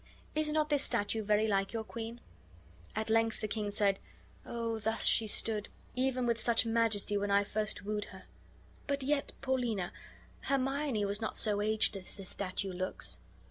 Is not this statue very like your queen?" At length the king said: "Oh, thus she stood, even with such majesty, when I first wooed her. But yet, Paulina, Hermione was not so aged as this statue looks."